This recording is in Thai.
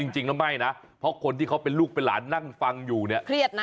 จริงแล้วไม่นะเพราะคนที่เขาเป็นลูกเป็นหลานนั่งฟังอยู่เนี่ยเครียดนะ